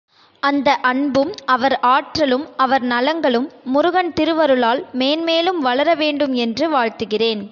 அந்த அன்பும் அவர் ஆற்றலும் அவர் நலங்களும் முருகன் திருவருளால் மேன்மேலும் வளர வேண்டும் என்று வாழ்த்துகிறேன்.